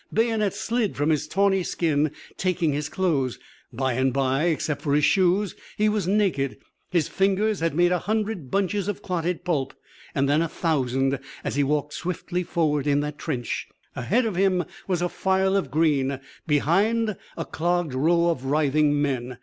Bayonets slid from his tawny skin, taking his clothes. By and by, except for his shoes, he was naked. His fingers had made a hundred bunches of clotted pulp and then a thousand as he walked swiftly forward in that trench. Ahead of him was a file of green; behind, a clogged row of writhing men.